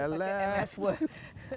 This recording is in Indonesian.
masih pakai ms word